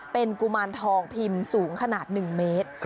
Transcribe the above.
เป็นกุมารทองพิมพ์สูงขนาด๑เมตร